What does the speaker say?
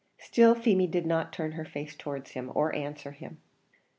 Still Feemy did not turn her face towards him, or answer him.